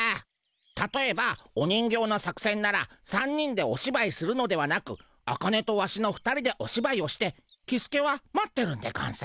たとえばお人形の作せんなら３人でおしばいするのではなくアカネとワシの２人でおしばいをしてキスケは待ってるんでゴンス。